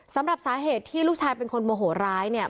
สำหรับสาเหตุที่ลูกชายเป็นคนโมโหร้ายเนี่ย